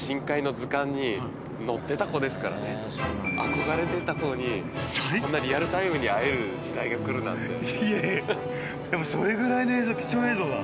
へぇ幼少期はい憧れてた子にこんなリアルタイムに会える時代が来るなんていやいやでもそれぐらいの映像貴重映像だ